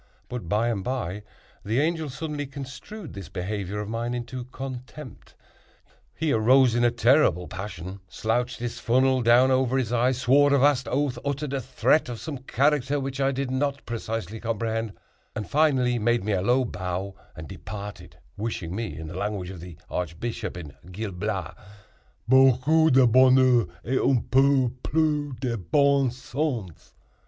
But, by and by, the Angel suddenly construed this behavior of mine into contempt. He arose in a terrible passion, slouched his funnel down over his eyes, swore a vast oath, uttered a threat of some character which I did not precisely comprehend, and finally made me a low bow and departed, wishing me, in the language of the archbishop in Gil Blas, "beaucoup de bonheur et un peu plus de bon sens."